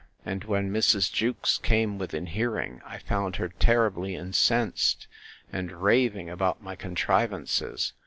And when Mrs. Jewkes came within hearing, I found her terribly incensed, and raving about my contrivances.